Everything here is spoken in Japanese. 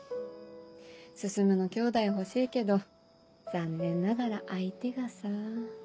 進のきょうだい欲しいけど残念ながら相手がさ。